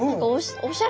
おしゃれ！